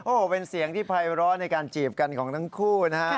โอ้โหเป็นเสียงที่ภัยร้อในการจีบกันของทั้งคู่นะฮะ